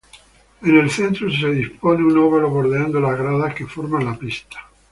En el centro se dispone un óvalo bordeando las gradas que forma la pista.